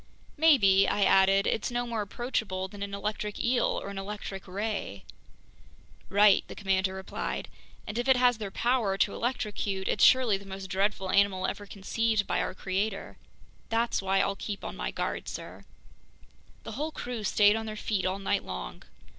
"Maybe," I added, "it's no more approachable than an electric eel or an electric ray!" "Right," the commander replied. "And if it has their power to electrocute, it's surely the most dreadful animal ever conceived by our Creator. That's why I'll keep on my guard, sir." The whole crew stayed on their feet all night long.